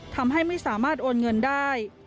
ทำให้ไม่สามารถโอนเงินได้